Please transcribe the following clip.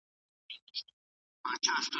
اقتصاد د ټولني د بقا اساس جوړوي.